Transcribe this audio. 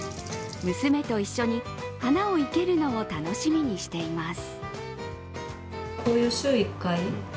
娘と一緒に花をいけるのを楽しみにしています。